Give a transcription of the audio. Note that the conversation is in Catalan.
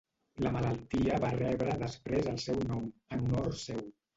La malaltia va rebre després el seu nom, en honor seu.